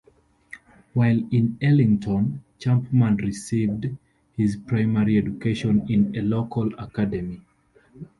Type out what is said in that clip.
While in Ellington, Chapman received his primary education in a local academy.